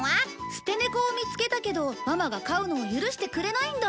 捨てネコを見つけたけどママが飼うのを許してくれないんだ